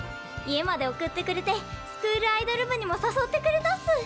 家まで送ってくれてスクールアイドル部にも誘ってくれたっす。